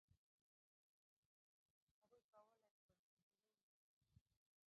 هغوی کولای شول، خو زړه یې نه کاوه.